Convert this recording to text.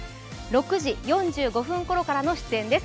６時４５分ごろからの出演です。